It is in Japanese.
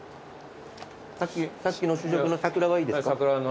さっきの試食のサクラはいいですか？